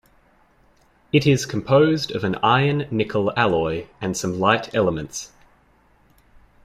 It is composed of an iron-nickel alloy and some light elements.